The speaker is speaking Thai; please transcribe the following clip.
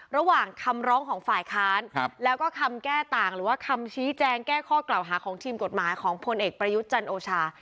ระหว่างคำร้องของฝ่ายค้านแล้วก็คำแก้ต่างหรือว่าคำชี้แจงแก้ข้อกล่าวหาของทีมกฎหมายของพลเอกประยุทธ์จันโอชา